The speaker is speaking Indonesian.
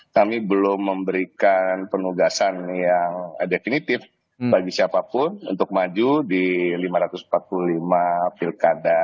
kami belum memberikan penugasan yang definitif bagi siapapun untuk maju di lima ratus empat puluh lima pilkada